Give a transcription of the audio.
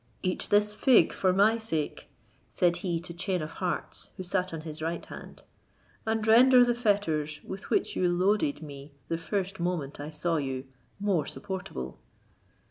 "Eat this fig for my sake," said he to Chain of Hearts, who sat on his right hand; "and render the fetters, with which you loaded me the first moment I saw you, more supportable."